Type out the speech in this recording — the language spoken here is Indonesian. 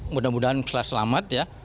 mudah mudahan selamat ya